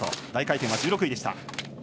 大回転は１６位でした。